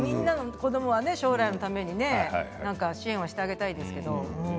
将来のために支援してあげたいですけど。